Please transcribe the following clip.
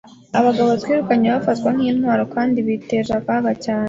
Abagabo twirukanye bafatwa nkintwaro kandi biteje akaga cyane.